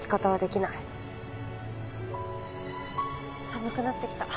寒くなってきた。